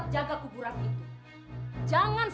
pasti gue pun sama kayaknya nih